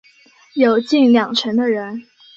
有近两成的人